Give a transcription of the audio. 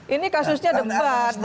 ini kasusnya debat